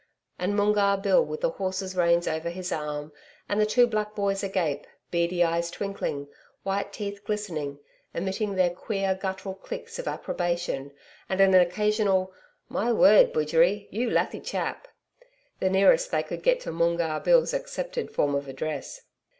And Moongarr Bill with the horses' reins over his arm, and the two black boys agape, beady eyes twinkling, white teeth glistening, emitting their queer guttural clicks of approbation, and an occasional 'My word! Bujeri you, Lathy chap,' the nearest they could get to Moongarr Bill's accepted form of address.